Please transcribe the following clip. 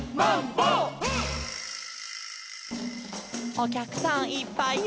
「おきゃくさんいっぱいや」